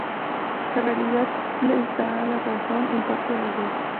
La realidad les da la razón en parte a los dos.